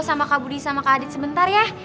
sama kak budi sama kak adit sebentar ya